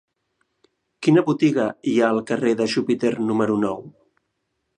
Quina botiga hi ha al carrer de Júpiter número nou?